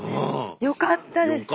よかったです